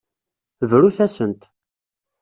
Brut-asent.